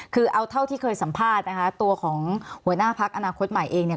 คือเอาเท่าที่เคยสัมภาษณ์นะคะตัวของหัวหน้าพักอนาคตใหม่เองเนี่ย